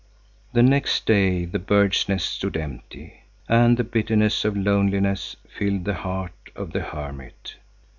The next day the bird's nest stood empty, and the bitterness of loneliness filled the heart of the hermit.